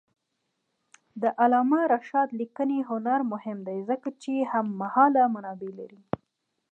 د علامه رشاد لیکنی هنر مهم دی ځکه چې هممهاله منابع لري.